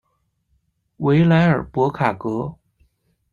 维莱尔博卡格。